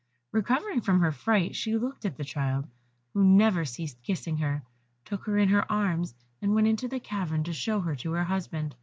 Recovering from her fright she looked at the child, who never ceased kissing her, took her in her arms, and went into the cavern to show her to her husband.